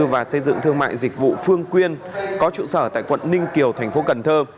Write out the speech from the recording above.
và xây dựng thương mại dịch vụ phương quyên có trụ sở tại quận ninh kiều thành phố cần thơ